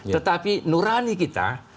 tetapi nurani kita